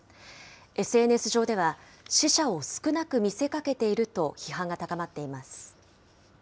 ＳＮＳ上では、死者を少なく見せかけていると批判が高まっています。